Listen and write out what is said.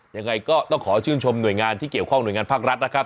ยังไงก็ต้องขอชื่นชมหน่วยงานที่เกี่ยวข้องหน่วยงานภาครัฐนะครับ